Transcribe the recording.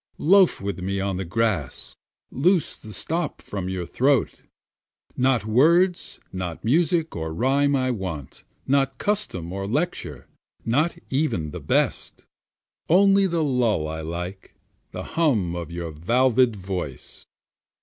Loafe with me on the grass, loose the stop from your throat, Not words, not music or rhyme I want, not custom or lecture, not even the best, Only the lull I like, the hum of your valved voice.